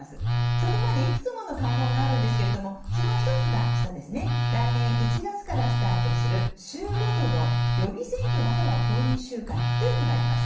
そこまでいくつもの関門があるんですけどもその１つが来年１月からスタートする州ごとの予備選挙または党員集会というのがあります。